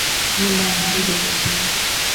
Nyumba ya ndege imebomoka